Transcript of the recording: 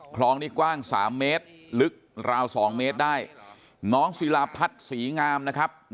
คลองนี้กว้าง๓เมตรลึกราว๒เมตรได้น้องศิลาพัฒน์ศรีงามนะครับ